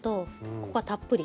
ここがたっぷり。